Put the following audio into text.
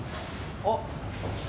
あっ！